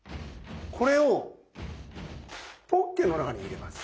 これをポッケの中に入れます。